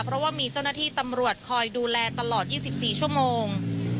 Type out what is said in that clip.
เพราะว่ามีเจ้าหน้าที่ตำรวจคอยดูแลตลอด๒๔ชั่วโมง